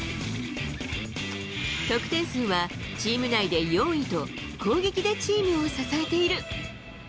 得点数はチーム内で４位と、攻撃でチームを支えている。